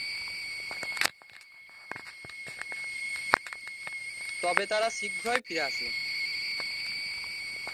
তবে তারা শীঘ্রই ফিরে আসে।